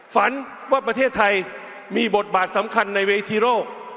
ฝันว่าประเทศไทยมีบทบาทสำคัญในเวทีโลก